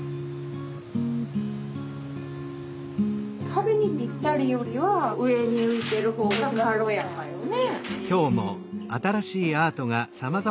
壁にぴったりよりは上に浮いてるほうが軽やかよね。